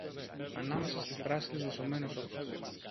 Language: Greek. ανάμεσα στις πράσινες δασωμένες όχθες